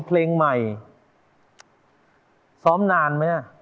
โปรดติดตามต่อไป